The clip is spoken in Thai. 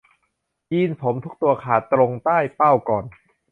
ยีนส์ผมทุกตัวขาดตรงใต้เป้าก่อน